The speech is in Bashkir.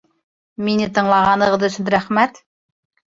Мине тыңлағанығыҙ өсөн рәхмәт